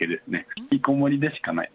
引きこもりでしかない。